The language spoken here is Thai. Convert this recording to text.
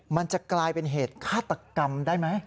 มันจะกลายเป็นเหตุฆาตกรรมได้ไหม